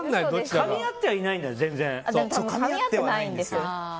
かみ合ってないんですよ。